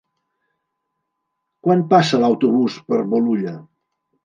Quan passa l'autobús per Bolulla?